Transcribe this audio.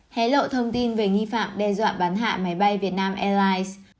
hãy lộ thông tin về nghi phạm đe dọa bắn hạ máy bay việt nam airlines